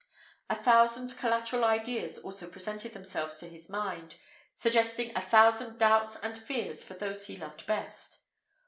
A thousand collateral ideas also presented themselves to his mind, suggesting a thousand doubts and fears for those he loved best.